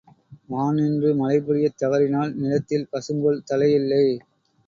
வான் நின்று மழை பொழியத் தவறினால் நிலத்தில் பசும்புல் தலை இல்லை!